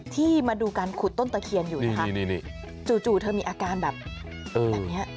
ที่มาดูการขุดต้นตะเคียนอยู่นะคะจู่เธอมีอาการแบบนี้